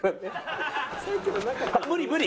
無理無理！